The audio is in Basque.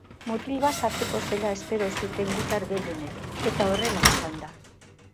Mutil bat sartuko zela espero zuten gutar gehienek, eta horrela izan da.